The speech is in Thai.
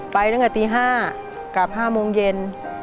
ไปตั้งแต่ตี๕กลับ๕โมงเย็น